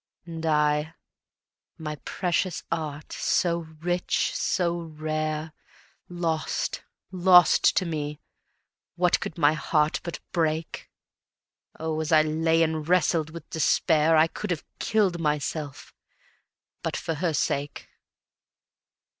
And I, my precious art, so rich, so rare, Lost, lost to me what could my heart but break! Oh, as I lay and wrestled with despair, I would have killed myself but for her sake.